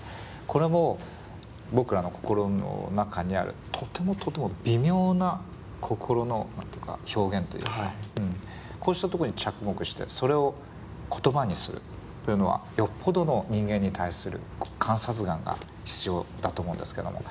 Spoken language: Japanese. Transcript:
これも僕らの心の中にあるとてもとても微妙な心の何て言うか表現というかこうしたとこに着目してそれを言葉にするというのはよっぽどの人間に対する観察眼が必要だと思うんですけども。